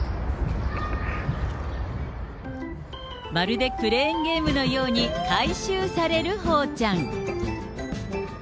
まるでクレーンゲームのように回収されるホウちゃん。